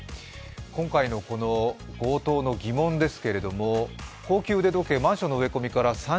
今回の冒頭の疑問です。